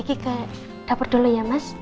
mbak kiki ke dapur dulu ya mas